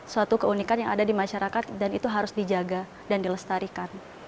suatu keunikan yang ada di masyarakat dan itu harus dijaga dan dilestarikan